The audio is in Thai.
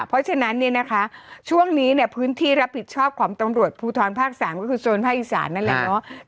เพราะฉะนั้นเนี่ยนะคะช่วงนี้เนี่ยพื้นที่รับผิดชอบของตำรวจภูทรภาค๓ก็คือโซนภาคอีสานนั่นแหละเนาะ